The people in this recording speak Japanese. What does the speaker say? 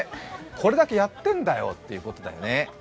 これだけやってんだよということだよね。